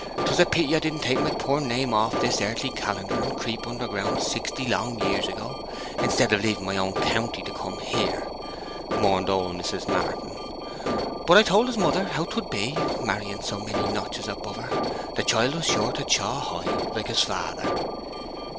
'Twas a pity I didn't take my poor name off this earthly calendar and creep under ground sixty long years ago, instead of leaving my own county to come here!' mourned old Mrs. Martin. 'But I told his mother how 'twould be marrying so many notches above her. The child was sure to chaw high, like his father!'